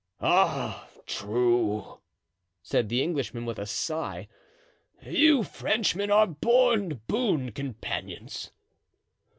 "Ah true," said the Englishman, with a sigh; "you Frenchmen are born boon companions."